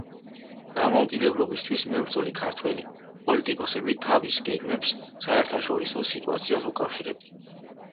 დამოუკიდებლობისათვის მებრძოლი ქართველი პოლიტიკოსები თავის გეგმებს საერთაშორისო სიტუაციას უკავშირებდნენ.